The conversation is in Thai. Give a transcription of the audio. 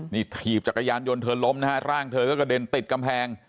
นี่ถีบจักรยานยนต์เธอล้มนะฮะร่างเธอก็กระเด็นติดกำแพง